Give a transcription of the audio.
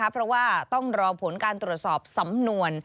เพราะว่าต้องรอผลการตรวจสอบสำนวน